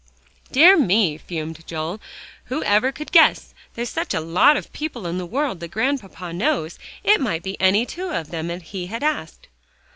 "Dear me!" fumed Joel. "Who ever could guess. There's such a lot or people in the world that Grandpapa knows. It might be any two of them that he had asked."